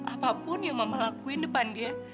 apapun yang mama lakuin depan dia